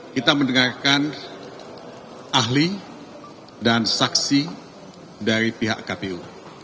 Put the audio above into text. kita mendengarkan ahli dan saksi dari pihak kpu